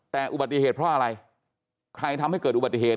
แต่อุบัติเหตุเพราะอะไรใครทำให้เกิดอุบัติเหตุ